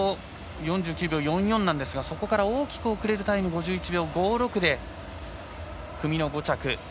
４９秒４４なんですがそこから大きく遅れるタイム５１秒５６で組の５着。